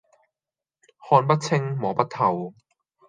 看不清、摸不透